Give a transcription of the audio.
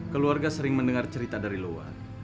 keluarga sering mendengar cerita dari luar